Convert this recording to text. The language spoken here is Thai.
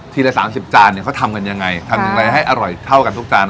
ละสามสิบจานเนี่ยเขาทำกันยังไงทำอย่างไรให้อร่อยเท่ากันทุกจาน